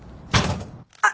あっ！